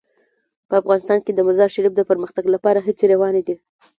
په افغانستان کې د مزارشریف د پرمختګ لپاره هڅې روانې دي.